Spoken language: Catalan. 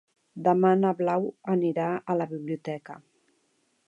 Demà na Blau anirà a la biblioteca.